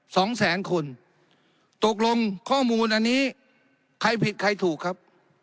สองแสนคนตกลงข้อมูลอันนี้ใครผิดใครถูกครับ